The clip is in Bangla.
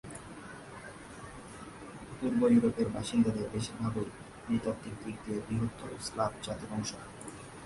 পূর্ব ইউরোপের বাসিন্দাদের বেশির ভাগই নৃতাত্ত্বিক দিক দিয়ে বৃহত্তর স্লাভ জাতির অংশ।